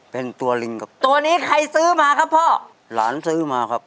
เป็นตัวลิงครับตัวนี้ใครซื้อมาครับพ่อหลานซื้อมาครับ